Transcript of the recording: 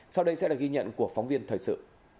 sau đây sẽ là ghi nhận của phóng viên thời sự